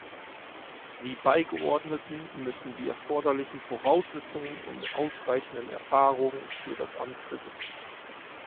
Die Beigeordneten müssen die erforderlichen Voraussetzungen und ausreichende Erfahrung für das Amt besitzen.